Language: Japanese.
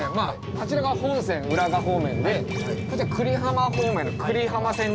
あちらが本線浦賀方面で久里浜方面の久里浜線に入りますね。